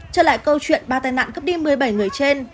trở lại câu chuyện ba tai nạn cướp đi một mươi bảy người trên